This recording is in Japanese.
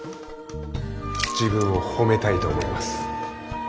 自分を褒めたいと思います。